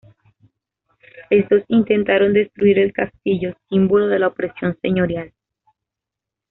Estos intentaron destruir el castillo, símbolo de la opresión señorial.